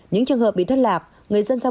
những trường hợp bị thất lạc người dân ra